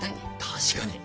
確かに。